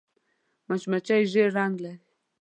مچمچۍ ژیړ رنګ لري